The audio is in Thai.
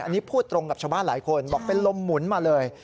อันนี้พูดตรงกับชาวบ้านหลายคนบอกเป็นลมหมุนมาเลย